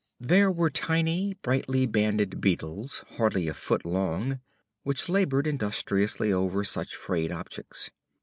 There were tiny, brightly banded beetles hardly a foot long which labored industriously over such frayed objects.